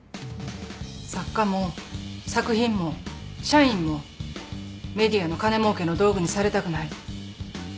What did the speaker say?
作家も作品も社員もＭＥＤＩＡの金もうけの道具にされたくない。